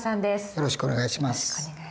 よろしくお願いします。